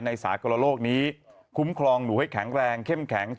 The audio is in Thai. สากลโลกนี้คุ้มครองหนูให้แข็งแรงเข้มแข็ง